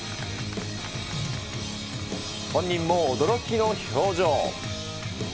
本人も驚きの表情。